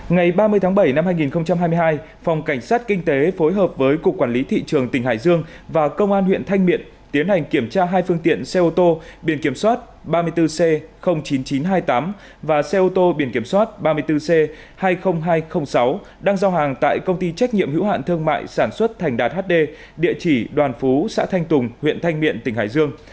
ngày ba mươi tháng bảy năm hai nghìn hai mươi hai phòng cảnh sát kinh tế phối hợp với cục quản lý thị trường tỉnh hải dương và công an huyện thanh miện tiến hành kiểm tra hai phương tiện xe ô tô biển kiểm soát ba mươi bốn c chín nghìn chín trăm hai mươi tám và xe ô tô biển kiểm soát ba mươi bốn c hai mươi nghìn hai trăm linh sáu đang giao hàng tại công ty trách nhiệm hữu hạn thương mại sản xuất thành đạt hd địa chỉ đoàn phú xã thanh tùng huyện thanh miện tỉnh hải dương